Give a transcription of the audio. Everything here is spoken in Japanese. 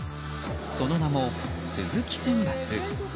その名も鈴木選抜。